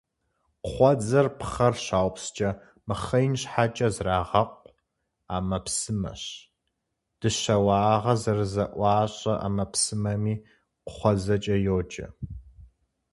Кхъуэдзэр пхъэр щаупскӀэ мыхъеин щхьэкӀэ зрагъэкъу ӏэмэпсымэщ. Дыщэ уагъэ зэрызэӏуащэ ӏэмэпсымэми кхъуэдзэкӏэ йоджэ.